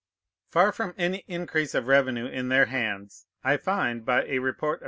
Far from any increase of revenue in their hands, I find, by a report of M.